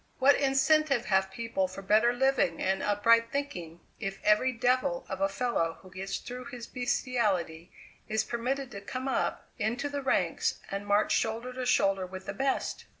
What incentive have people for better living and upright thinking if every devil of a fellow who gets through his beastiality is permitted to come up into the ranks and march shoulder to shoulder with the best?